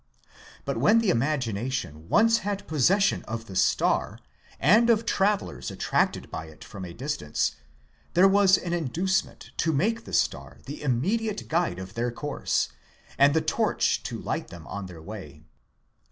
But when the imagination once had possession of the star, and of travellers attracted by it from a distance, there was an inducement to make the star the immediate guide of their course, and the torch to light them on their way.